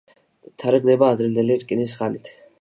თარიღდება ადრინდელი რკინის ხანით.